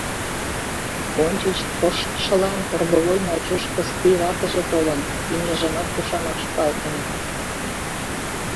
Ончыч коштшылан торговой Мачуш Кыстий ватыже толын, имньыжымат тушанак шогалтыме.